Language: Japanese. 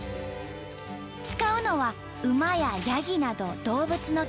使うのは馬ややぎなど動物の毛。